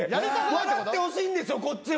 笑ってほしいんですよこっちは。